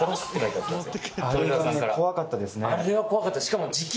あれは怖かったですね。